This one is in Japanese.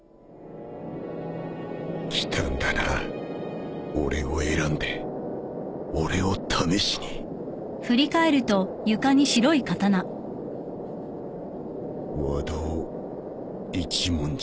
来たんだな俺を選んで俺を試しに和道一文字。